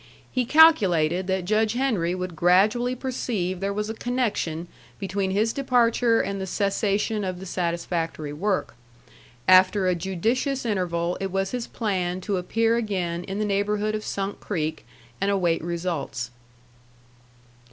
He calculated that Judge Henry would gradually perceive there was a connection between his departure and the cessation of the satisfactory work. After a judicious interval it was his plan to appear again in the neighborhood of Sunk Creek and await results.